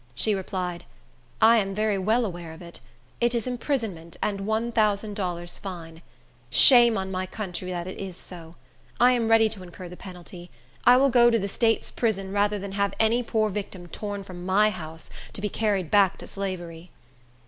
She replied, "I am very well aware of it. It is imprisonment and one thousand dollars fine. Shame on my country that it is so! I am ready to incur the penalty. I will go to the state's prison, rather than have any poor victim torn from my house, to be carried back to slavery."